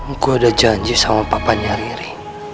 gue udah janji sama papanya riri